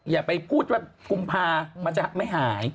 อย่าไปพูดว่ากุมภามันจะไม่หาย